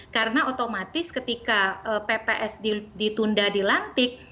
karena otomatis ketika pps ditunda di lantik